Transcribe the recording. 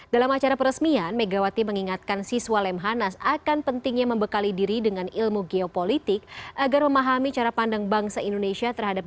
dalam acara peresmian megawati mengingatkan siswa lemhanas akan pentingnya membekali diri dengan ilmu geopolitik agar memahami cara pandang bangsa indonesia terhadap